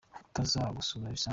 Utazagusura bisanzwe